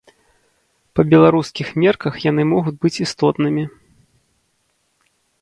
Па беларускіх мерках яны могуць быць істотнымі.